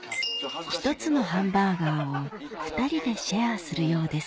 １つのハンバーガーを２人でシェアするようです